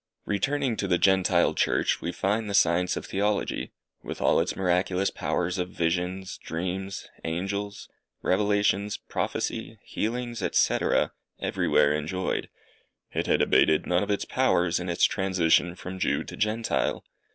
Returning to the Gentile Church, we find the science of Theology, with all its miraculous powers of visions, dreams, angels, revelations, prophecy, healings, &c., everywhere enjoyed. It had abated none of its powers, in its transition from Jew to Gentile.